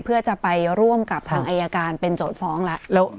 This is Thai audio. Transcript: เพื่อจะไปร่วมกับทางอายการเป็นโจทย์ฟ้องแล้ว